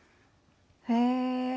へえ。